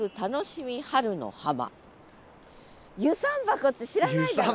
遊山箱って知らないだろ？